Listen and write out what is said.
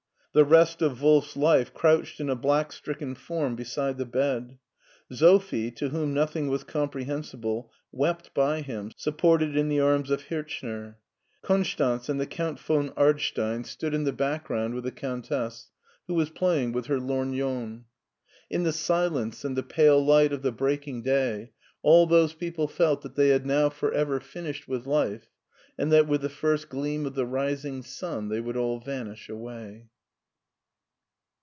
The rest of Wolf's life crouched in a black stricken form beside the bed. Sophie, to whom nothing was comprehensi ble, wept by him, supported in the arms of Hirchner. Konstanz and the Count von Ardstein stood in the SCHWARZWALD 313 background with the G>untess, who was pla3dng with her lorgnon. In the silence and the pale light of the breaking day all those people felt that they had now for ever finished with life and that with the first gleam of the rising sun they would all vanish away.